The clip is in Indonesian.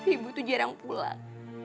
ibu itu jarang pulang